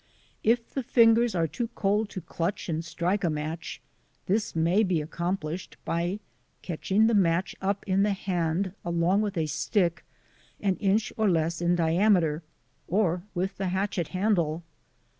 If the fingers are too cold to clutch and strike a match, this may be accomplished by catching the match up in the hand along with a stick an inch or less in diameter, or with the hatchet handle.